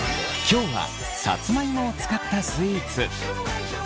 今日はさつまいもを使ったスイーツ。